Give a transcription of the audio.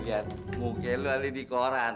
liat muka lu ada di koran